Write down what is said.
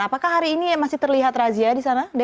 apakah hari ini masih terlihat razia di sana